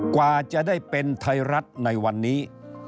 กว่าจะได้เป็นไทยรัฐในวันนี้